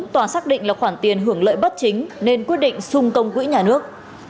tòa xác định là khoản tiền hưởng lợi bất chính nên quyết định sung công quỹ nhà nước